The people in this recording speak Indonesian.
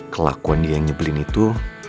kelakuan dia yang nyebelin itu